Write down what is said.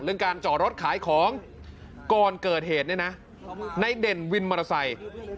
การจอดรถขายของก่อนเกิดเหตุเนี่ยนะในเด่นวินมอเตอร์ไซค์